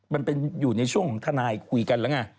มันเป็นอยู่ในช่วงของทนายคุยกันแล้วไง